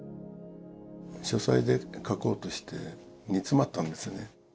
書斎で書こうとして煮詰まったんですね。